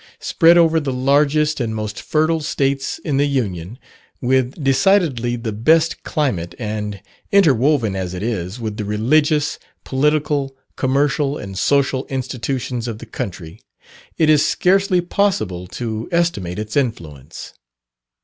Spread over the largest and most fertile States in the Union, with decidedly the best climate, and interwoven, as it is, with the religious, political, commercial, and social institutions of the country, it is scarcely possible to estimate its influence.